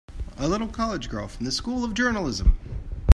A little college girl from a School of Journalism!